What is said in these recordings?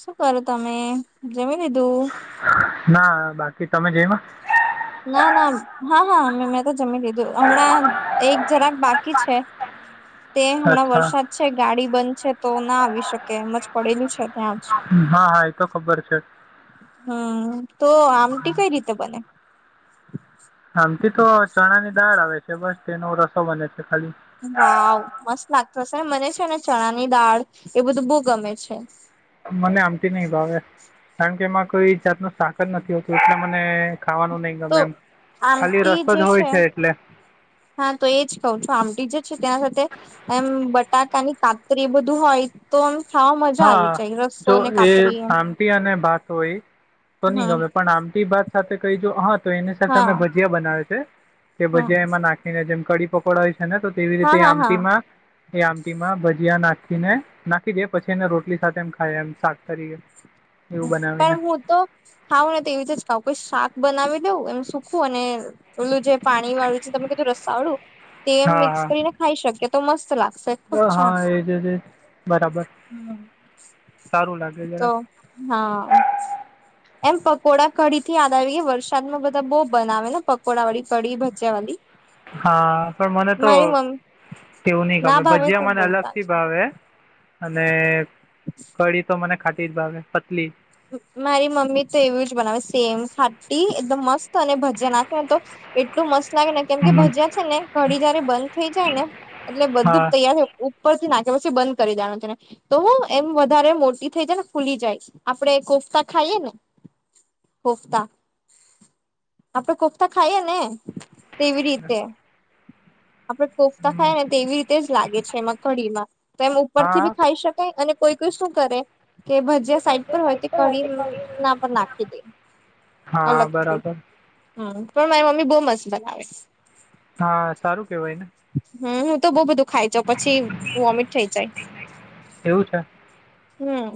શું કરો તમે જમી લીધું ના બાકી તમે જઈમાં ના ના હા હા મેમે મેં તો જમી લીધું હમણાં એક જરાક બાકી છે તે હમણાં અચ્છા વરસાદ છે ગાડી બંધ છે તો ના આવી શકે એમજ પડેલું છે ત્યાં જ હા હા એ તો ખબર છે હમ તો આમટી કઈ રીતે બને આમટી તો ચણાની દાળ આવે છે બસ તેનો રસો બને છે ખાલી વાવ મસ્ત લાગતો હશે ને મને છે ને ચણાની દાળ એ બધું બઉ ગમે છે મને આમતી નહિ ભાવે કારણ કે એમાં કોઈ જાતનું શાક જ નથી હોતું. એટલે મને ખાવાનું નહી તો ગમે એમ ખાલી આમટી રસો જે જ હોય છે. એટલે હા તો એજ કઉ છું આમ ટીજીત. છે ત્યા સાથે એમ બટાકાની કાતરી એ બધું હોય તો આમ. ખાવા મજા આવી હા જાય રસો જો ને એ કાતરી એમ આમટી અને ભાત હોય. તો નહી હમ ગમે પણ આમતી ભાત સાથે કહી જો હા તો એની સાથે અમે હા ભજીયા બનાવે છે. કે હા ભજીયા એમાં નાખીને જેમ કડી પકોડ હોય છે. ને તો તેવી હા રીતે હા હા આમટી માં એ આમટીમાં ભજીયા નાખી ખી ને નાખી દે પછી એને રોટલી સાથે એમ ખાય એમ શાક તરીકે. હ એવું બનાવીને પણ હું તો ખાઉં ને તો એવી રીતે જ ખાઉં કોઈ શાક બનાવે. દઉં એમ સુખવું અને ઓલું જે પાણી વાળું છે તમે કીધું રસા વાળું. તે હા મિક્સ કરીને ખાઈ શકીએ તો મસ્ત લાગ. હા એજ એજ એજ બરાબર. સારું લાગે તો જરા. હા એમ પકોડા કઢીથી યાદ આવી ગયા વરસાદમાં બધા બહુ બનાવેને પકોડા વાળી કઢી ભજ્યા વાળી. હા પણ મને તો મારી મમ્મી તેવું નહીં ના ગમે ભાવે ભજીયા તો મને અલગ બોલતા થી છે ભાવે. અને કળી તો મને ખાટી જ ભાવે પતલી મારી મમ્મી તો એવું જ બનાવે સેમ ખાટી એકદમ મસ્ત અને ભજીયા નાખેને તો. એટલું મસ્ત લાગે ને કેમ કે હમ ભજીયા છે. ને કડી જયારે બંધ થઈ જાય ને એટલે હા બધું તૈયાર થાય ઉપર થી નાખી. કે પછી બંધ કરી દેવાનું તેને તો એમ વધારે મોટી થઈ જાય ને ફુલી જાય. આપડે કોફતા ખાઈએને કોફતા આપડે કોફતા ખાઈએને તેવી રીતે આપડે કોફતા હમ ખાયએને તેવી રીતે જ લાગે છે. એમાં કડીમાં તો એમ ઉપર થી હા બી ખાઈ શકાય અને કોઈ કોઈ શું કરે કે ભજીયા સાઈડ પર હોય તે કઢી ના પર નાખી દે. હા અલગથી બરાબર હમ પણ મારી મમ્મી બઉ મસ્ત બનાવે. હા સારું કહેવાય ને હમ હું તો બહુ બધું ખાય જા પછી વોમિટ થઈ જાય એવું છે હમ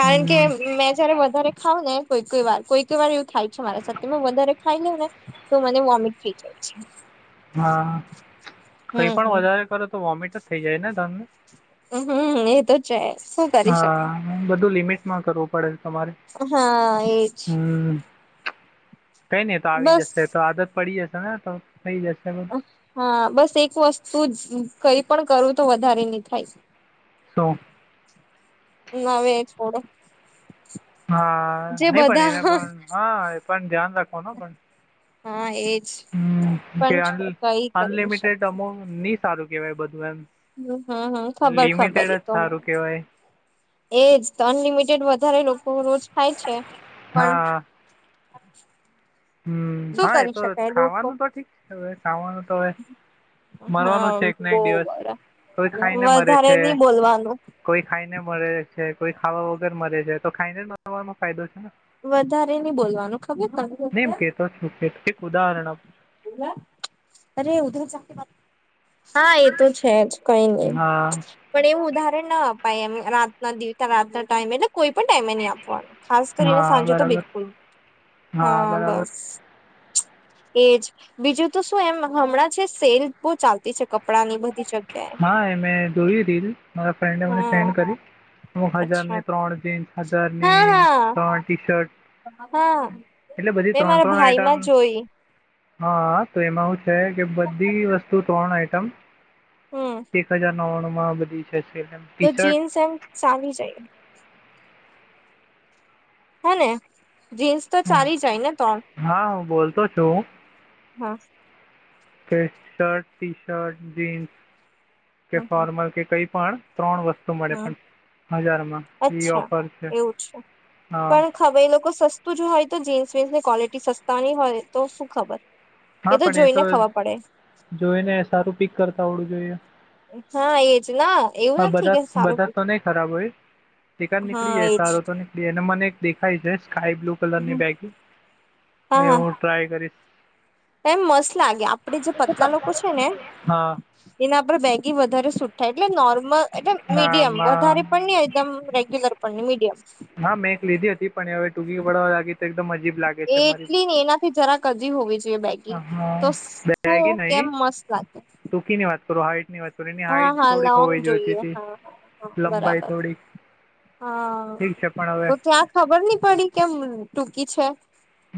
કારણ કે મેં જયારે વધારે ખાવ ને કોઈ કોઈ વાર કોઈ કઈ વાર એવું થાય છે મારા સાથે મે વધારે ખાઈ લઉં ને તો મને વોમિટ થઈ જાય અચ્છા હા કઈ પણ વધારે કરો તો વોમિટ જ થઈ જાય ને ધનને હમ એ તો જ છે શું કરી શકે હા બધું લિમિટમાં કરવું પડે તમારે હા એજ હમ કઈ નહી તો આવી બસ જશે તો આદત પડી જશે ને તો. થઈ જશે બધું હા બસ એક વસ્તુજ કઈ પણ કરું તો વધારે નહી થાય. શું ના આવે એ છોડે. હા નઈ પણ એને પણ હા એ પણ ધ્યાન રાખવાનું પણ. હા એજ. હમ કે પણ અન કઈ કરી ન અનલિમિટેડ શકાય અમાઉન્ટ નહી સારું કેવાય બધું એમ. હમ હમ હમ ખબર ખબર લિમિટેડ એ જ તો સારું કહેવાય મને એજ તો અનલિમિટેડ વધારે લોકો રોજ થાય છે. પણ હ [unintelligible] હા હમ હા એ તો લોકો ખાવાનું તો ઠીક છે. હવે ખાવાનું તો હવે મરવાનું હા છે એકને બહુ એક દિવસ વડા કોઈ ખાઈને મેરે વધારે છે નહી બોલવાનું કોઈ ખાઈને બળે છે. કોઈ ખાવા વગેર મ મળે જાય તો ખાઈને નવાનો ફાયદો છે ને. વધારે નહી બોલવાનું ખબર તને નનેમ કેતો શું કેતો એક ઉદાહરણ આપુ ઉરા ઉધર જાકે બાત હા એ તો છે જ કઈ નહી છું. હા પણ એવું ઉદાહરણ ના આપ એમ રાતના દિવતા રાત ના ટાઈમે એટલે કોઈ પણ ટાઈમે નહી આપવાનો ખાસ કરીને હા સાંજે તો બરાબર બિલકુલ હા બસ એજ બીજું તો શું એમ હમણાં જે સેલ બહુ ચાલતી છે કપડાં ની બધી જગ્યા હા એ મેં જોવી તીલ મારા ફ્રેન્ડ મને હા સેન્ડ કરી હું હજાર અચ્છા ની ત્રણ જીન્સ હા હજારની હા ત્રણ ટી શર્ટ હા એટલે બધી મેં ત્રણ મારા ત્રણ આઈટમ ભાઈમાં જોઈ હા તો એમાં શું છે કે બધી વસ્તુ ત્રણ આઈટમ હમ એક હજાર નવ્વાણું માં બધી છે સમ તો ટી શર્ટ જીન્સ એમ ચાલી જાય હાને જીન્સ તો ચાલી જાય ને ત્રણ હા હું બોલતો છું હા કે શર્ટ ટી શર્ટ જીન્સ કે હમ હમ ફોર્મલ કે કઈ પણ ત્રણ વસ્તુ મળે હમ પણ હજારમાં એ અચ્છા ઓફર છે હા પણ ખબર એ લોકો સસ્તું જો હોય તો જીન્સ વીન્સની ક્વોલિટી સસ્તા નહી હોય તો શું ખબર હા પણ એ તો જોઈને ખબર પડે જોઈને સારું પીક કરતા આવડું જોઈએ હા એજ ના એવું હા નથી બધા કે સારું બધા તો નઈ ખરાબ હોય એકાદ નીકળી હા જાય એજ સારો તો નીકળી એ અને મને એક દેખાય જ હાયે એ બ્લુ કલરની બેગ હા એ હા હું ટ્રાય કરીશ એમ મસ્ત લાગે આપડે જે પતલા લોકો છે ને હા એના પર બેગી વધારે સુ એટલે નોર્મલ એટલે ના મીડિયમ વધારે આમાં પણ નહી એકદમ રેગ્યુલર પણ નહી મીડિયમ તુગી બળવાાગી ત એટલી ને એનાથી જરા કદી હોવી જોઈએ બેગી તો હા શું બેગી કેમ મસ્ત લાગે થોડો હાઈટની વાત કરી એની હા હાઈટ હા થોડીક લોંગ હોવી જોઈતી જોઈએ તી હા હા હા લંબાઈ બરાબર થોડીક હા ઠીક છે પણ હવે તો ત્યાં ખબર નહી પડી કેમ ટૂંકી છે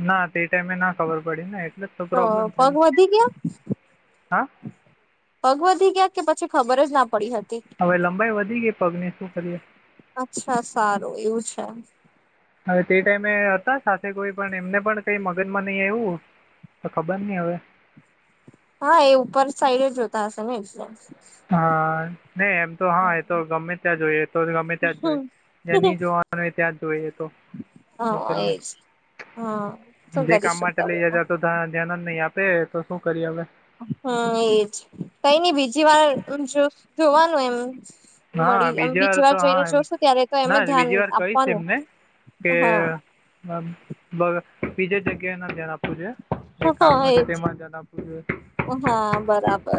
ના તે ટાઈમે, ના ખબર પડી ને એટલે જ તો પ્રોબ્લેમ થઈ પગ વધી ગયા, હા પગ વધી ગયા કે પછી ખબર જ ના, પડી હતી હવે, લબાઈ વધી ગઈ. પગને શું કરીએ અચ્છા સારુ, એવુ છે. હવે, તે ટાઈમે હતા સાથે કોઈ પણ એમને પણ કઈ મગજમા નહી, આયવુ તો ખબર નહી, હવે હા, એ ઉપર સાઈડે જોતા, હશે ને એે હા નહી એમ તો હા એ તો ગમે ત્યાં જોઈ એ તો ગમે ત્યાં હમ જોઈ જ્યાં નહી જોવાનું હોય ત્યાં જોઈએ તો હું હા એજ હા કર્યા શું જે કરી કામ માટે શકતા લઈ એમાં જતા તો ત્યાં ધ્યાન જ નહી આપ તે તો શું કરીયે હવે હા એજ કઈ નઈ બીજી વાર અ મ જોવાનું એમ હા મળી અમ બીજી વાર તો હા જઈને એમ જોશું ત્યારે તો એમ ના જ ધ્યાન બીજી વાર કહીશ આપવાનું એમને કે હા બ બગ બીજે જગ્યાએ ના ધ્યાન આપવું જોઈએ હા કામ ન છે એજ તેમાં જતા પૂર હા બરાબર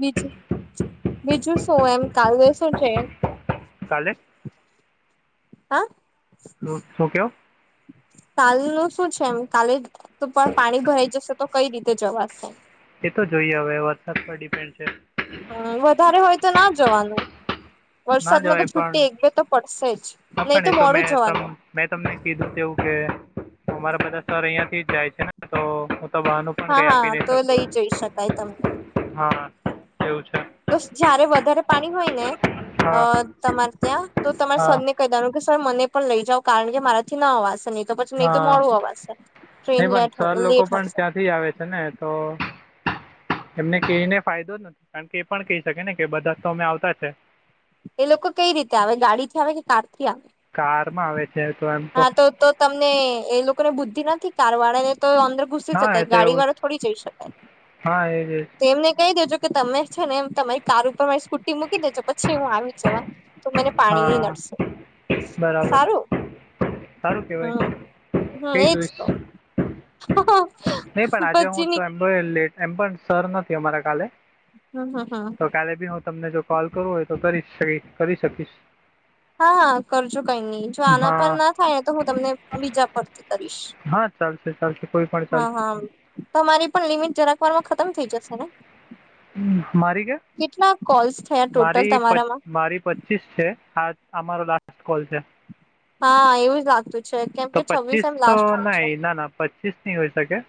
બીજું બીજું શું એમ કાલે શું છે કાલે શું શું કેવ કાલ નું શું છે એમ કાલે તો પણ પાણી ભરાઈ જશે તો કઈ રીતે જવાશે તો જોઈએ હવે વરસાદ પર ડિપેન હ, વધારે હોય. તો ના જવાનું ના વરસાદમાં જવાય તો પણ છુટ્ટી એક બે તો પડશે જ હા, પણ નહી ને તો મોડું મેં ત જવાનું મેં તમને કીધુ, તેવુ કે અમારા, બધા સર અહિયાં થી જ જાય છે, ને તો તો બહાનું પણ હા કઈ આપી, હા નહી. તો શકતું લઈ જઈ શકાય તમને એમ હા એવું છે તો જયારે વધારે પાણી હોય, ને અ હા તમારે ત્યાં તો તમારા હા સરને કઈ દેવાનુ સર મને પણ લઈ, જાવ કારણ કે મારાથી ના અવાસે મે હા, નહી. પણ લેટ સર લોકો લેટ પણ હશે ત્યાંથી આવે છે ને તો એમને કહીને ફાયદો જ નથી કારણ કે એ પણ કહી શકે ને કે બધા તો અમે આવતા છે. એ લોકોકઈ રીતે, આવે ગાડીથી આવે કે કાર થી આવે કારમા આવે છે તો એમ હા, તો તો તમને એ લોકોને બુદ્ધિ નથી. કાર વાળાને તો અદર ઘુસી હા એ શકાય તો ગાડી એવું વાળો જ. થોડી જઈ શકાય, હા એ જ એ જ. તો એમને કહી દેજો તમે છેને, એ તમારી કાર ઉપર મારી સ્કૂટી મૂકી દેજો પછી હુ આવી જવા તો મને પાણી નઈ, હા નડશે બરાબર સારુ સારું કહેવાય હા, હા કહી એજ જોઈશ તો નહીં પણ આજે પછી, હું તો ની એમ પણ લેટ એમ પણ સર નથી. અમારા કાલે હમ હમ હમ તો કાલે બી હુ તમને જો કોલ કરુ હ તો કરી, શકી કરી શકીશ હા, હા કરજો કઈ નહી જો આના પર હા ના થાય ને તો હુ તમને બીજા પરથી કરીશ હા, ચાલશે ચાલશે કોઈ પણ હા, ચાલશે હા તમારી પણ લિમિટ જરાકવારમાં ખતમ થઈ, જશે ને મારી કે કેટલા કોલ્સ થયા ટોટલ મારી પ તમારામાં મારી પંચીસ છે. હા, અમારો લાસ્ટ કોલ છે. હા એવુજ લાગતુ તો પચીસ તો નહી, ના ના પંચીસ ની હોય શકે હ,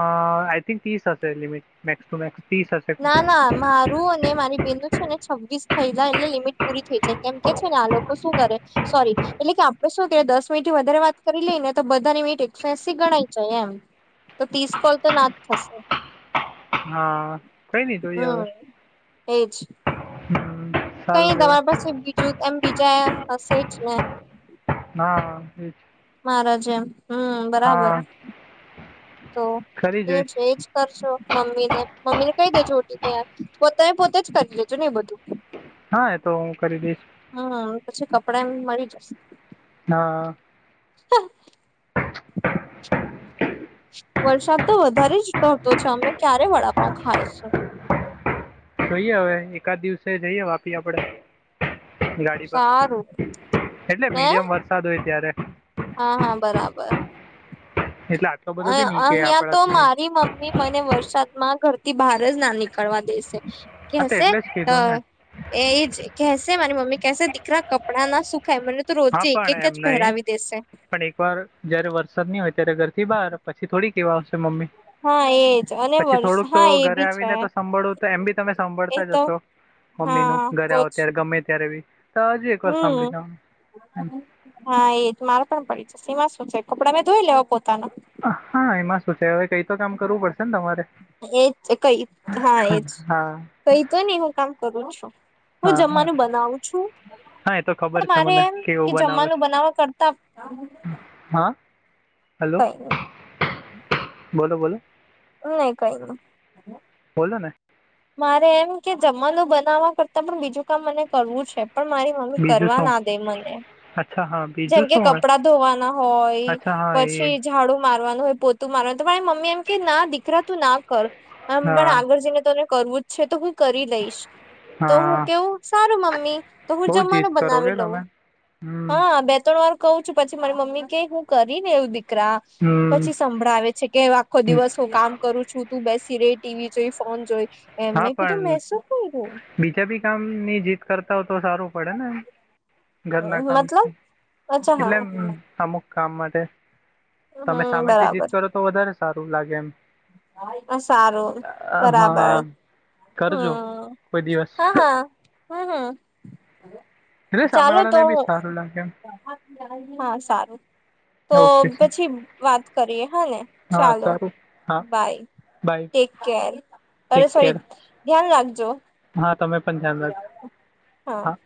આઇથિન્ક તીસ હશે લિમિટ મેક્સ ટુ મેક્સ ત્રીસ હશે ના ના મારુ અને મારી બેનું છેને, છવ્વીસ થઈ, જાય એટલે લિમિટ પૂરી થઈ જાય કેમ કે છે, ને આ લોકો શું કરે સોરી એટલે કે આપડે શું દસ મિનટ વધારે વાત કરી લઈ ને તો બધાની મીટ એકસો એસી ગણાય જાય એમ તો તીસ કોલ તો ના જ થશે. હા કઈ નહ જોય હવે. હમ એજ કઈ સારું દવા કેવાય પાસે બીજું એમ બીજા હશે જ ને. હા એ છે. મારા જેમ હમ બરાબર. તો કરી એ જોઈશ છે એજ કરશો મમ્મી ને મમ્મી ને કહી દેજો ત પોતા પોતે જ કરી લેજો ને એ બધું. હા એ તો હું કરી દઈશ. પણ, એમ એમ મળી જશે હા વરસાદ તો વધારે જ થતો છે, અમે ક્યારે વડાપાવ ખાય શુ જોઈએ, હવે એકાદ દિવસે જઈએ વાપી આપડે ગાડી, સારું પર એટલે ને મીડિયમ વરસાદ હોય. ત્યારે હા એટલે આટલો બધો અ બી નહી કે અહિયા, તો આપડાથી મારી મમ્મી મને વરસાદમા ઘર બહાર, જ ના નીકળવા દેશે હા તો કેશે એટલે જ કીધું ને એજ કે મારી મમ્મી કેસે દીકરા કપડાના સુખ હા, પણ એમ નઈ દેશે પણ એક વાર જયારે વરસાદ નહી, હોય અત્યારે, ઘરથી બહાર પછી થોડી કેવા આવશે મમ્મી હા એજ અને પછી વર્ષ થોડુક. તો હા એ ઘરે બી છે આવીને તો સાંભળું તો એમ બી તમે એ સાંભળતા તો જશો મમ્મી નુ હા ઘરે આવો બોજ ત્યારે ગમે, ત્યારે બી તો હજી એક વાર હમ સાંભળી લેવાનુ હા, એ જ મારે પાહે પડી છે, એમા શું છે. કપડા મેં ધોઈ લેવા પોતાનો હા એમાં શું છે હવે કઈ તો કામ કરવું પડશે ને તમારે. એજ કઈ હા એજ હા કઈ તો નહી હું કામ કરું છું. હું હા હા જમવાનું બનાવું છું. હા એ તો ખબર પણ છે મારે મને એમ કે કેવું બનાવે જમવાનું છે બનાવવા કરતા હેલો કઈ બોલો બોલો. નહી કઈ ન. બોલો ને. મારે એમ કે જમવા નું બનાવવા કરતા પણ બીજું કામ મને કરવું છે. પણ મારી મમ્મી બીજું કરવા શું ના દે મને. અચ્છા હા જેમ બીજું કે શું હોય કપડા ધોવાના હોય અચ્છા હા એ પછી ઝાડુ મારવાનું હોય પોતું મારવાનું તો પણ મમ્મી એમ કે ના દીકરા તું ના કર પણ હા આગળ જઈને તને કરવું જ છે તો હું કરી લઈશ. તો હું હા કેવું સારું મમ્મી તો હું બહુ જીદ જમવાનું કરો કે બનાવી તમે લઉં. હમ હા બે ત્રણ વાર કવું છું પછી મારી મમ્મી કે હું કરીને એવું દીક રા હમ પછી સંભળાવે છે કે આખો હમ. દિવસ હું કામ કરું છું તું બેસી રેય ટીવી જોઈ ફોન જોઈ એમ હા મે કીધું પણ મે‌ શું કરીયુ. બીજા બી કામ ની જીત કરતા હો તો સારું પડે ને એમ. ઘરના મતલબ કામથી અચ્છા એટલે હા અમુક કામ માટે. હમ તમે સામેથી જીત બરાબર કરો તો વધારે સારું લાગે એમ. સારું હા. બરાબર [unintelligible] કરજો કોઈ દિવસ. હમ્મ એટલે હમ્મ સામે ચાલો તો વાળાને બી સારું લાગે એમ હું. હા સારું તો ઓકે સર. પછી વાત કરીએ હા ને હા ચાલો. સારું હા બાય બાય ટેક-કેર અરે ટેક સોરી કેર ધ્યાન રાખજો. હા તમે પણ ધ્યાન રાખજો હા.